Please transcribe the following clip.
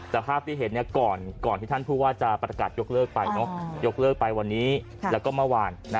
แต่ภาพที่เห็นก่อนที่ท่านผู้ว่าจะประกาศยกเลิกไปยกเลิกไปวันนี้แล้วก็เมื่อวาน